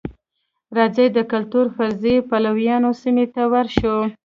راځئ د کلتور فرضیې پلویانو سیمې ته ورشو.